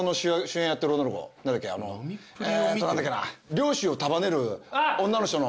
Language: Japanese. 漁師を束ねる女の人の。